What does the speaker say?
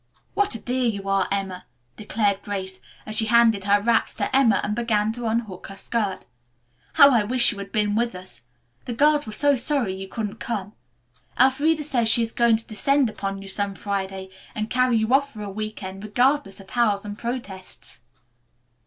"What a dear you are, Emma," declared Grace, as she handed her wraps to Emma and began to unhook her skirt. "How I wish you had been with us. The girls were so sorry you couldn't come. Elfreda says she is going to descend upon you some Friday and carry you off for a week end, regardless of howls and protests."